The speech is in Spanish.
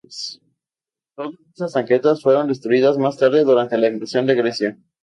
Todas estas tanquetas fueron destruidas más tarde durante la invasión de Grecia.